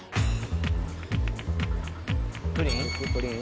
プリン？